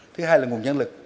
thứ hai là nguồn nhân lực